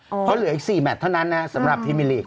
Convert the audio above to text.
เพราะเหลืออีก๔แมทเท่านั้นนะสำหรับพรีมิลีก